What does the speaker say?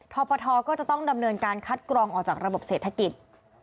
ทปทก็จะต้องดำเนินการคัดกรองออกจากระบบเศรษฐกิจ